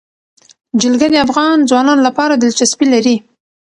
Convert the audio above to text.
جلګه د افغان ځوانانو لپاره دلچسپي لري.